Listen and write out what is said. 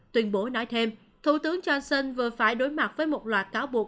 tuyên bố nói thêm thủ tướng johnson vừa phải đối mặt với một loạt cáo buộc